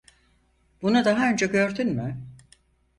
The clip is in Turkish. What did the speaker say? Bunu daha önce gördün mü?